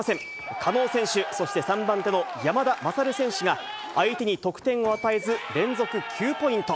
加納選手、そして３番手の山田優選手が、相手に得点を与えず、連続９ポイント。